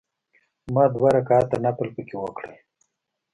ما دوه رکعته نفل په کې وکړل.